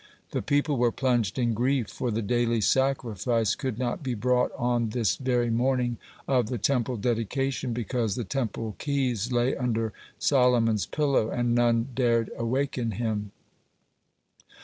The people were plunged in grief, for the daily sacrifice could not be brought on this very morning of the Temple dedication, because the Temple keys lay under Solomon's pillow, and none dared awaken him.